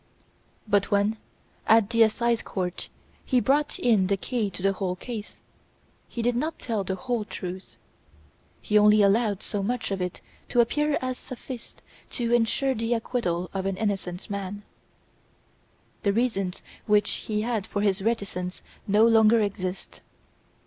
But when, at the Assize Court, he brought in the key to the whole case, he did not tell the whole truth. He only allowed so much of it to appear as sufficed to ensure the acquittal of an innocent man. The reasons which he had for his reticence no longer exist.